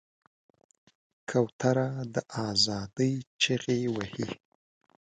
کوتره د آزادۍ چیغې وهي.